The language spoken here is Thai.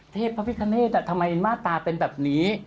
เทพพระพิฆาแนธทำไมมาตาเป็นแบบนี้